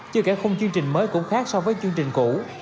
chứ cả khung chương trình mới cũng khác so với chương trình cũ